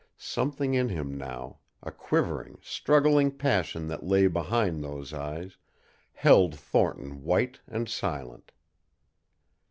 Something in him now, a quivering, struggling passion that lay behind those eyes, held Thornton white and silent.